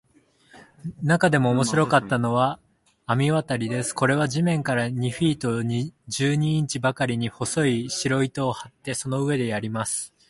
なかでも面白かったのは、綱渡りです。これは地面から二フィート十二インチばかりに、細い白糸を張って、その上でやります。